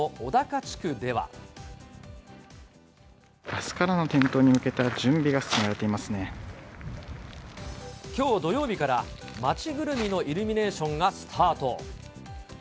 あすからの点灯に向けた準備きょう土曜日から、町ぐるみのイルミネーションがスタート。